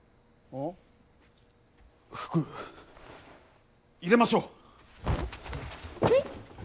服入れましょう。